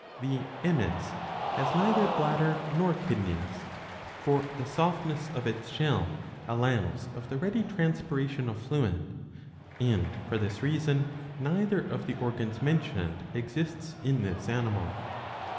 ^ The Emys^ has neither bladder nor kidneys. For the softness of its shell allows of the ready transpiration of fluid ; and for this reason neither of the organs mentioned exists in this animal.